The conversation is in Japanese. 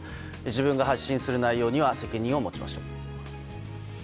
自分が発信する内容には責任を持ちましょう。